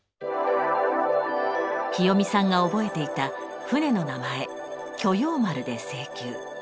きよみさんが覚えていた船の名前「巨鷹丸」で請求。